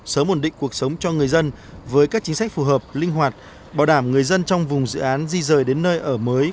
sớm ổn định cuộc sống cho người dân với các chính sách phù hợp linh hoạt bảo đảm người dân trong vùng dự án di rời đến nơi ở mới